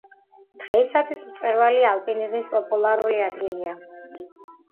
დღეისათვის მწვერვალი ალპინიზმის პოპულარული ადგილია.